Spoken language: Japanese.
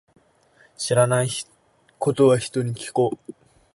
知らないことは、人に聞こう。